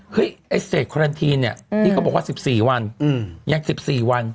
เฮ้ยควารันตีนนี่เขาบอกว่า๑๔วันยัง๑๔วัน